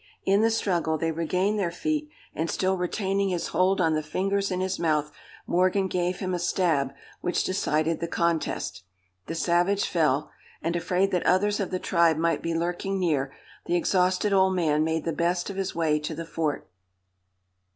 In the struggle, they regained their feet, and still retaining his hold on the fingers in his mouth, Morgan gave him a stab, which decided the contest. The savage fell, and, afraid that others of the tribe might be lurking near, the exhausted old man made the best of his way to the fort.